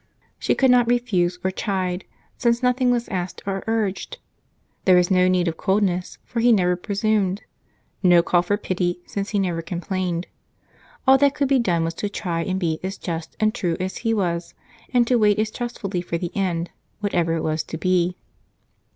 She could not refuse or chide, since nothing was asked or urged; there was no need of coldness, for he never presumed; no call for pity, since he never complained. All that could be done was to try and be as just and true as he was, and to wait as trustfully for the end, whatever it was to be.